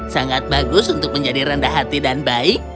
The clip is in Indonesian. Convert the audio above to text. sangat bagus untuk menjadi rendah hati dan baik